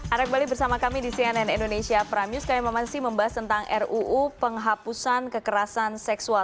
ada kembali bersama kami di cnn indonesia prime news kami masih membahas tentang ruu penghapusan kekerasan seksual